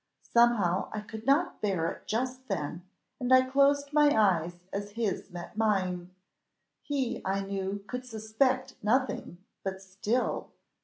Somehow I could not bear it just then, and I closed my eyes as his met mine. He, I knew, could suspect nothing but still!